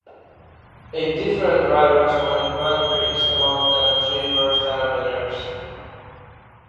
Eight different drivers won a Grand Prix, amongst them three first time winners.